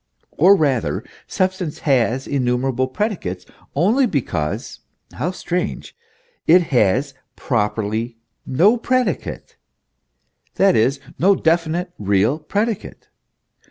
Or rather, substance has innumerable predicates only because (how strange!) it has properly no predicate; that is, no definite, real predicate.